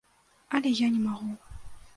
Але я не магу.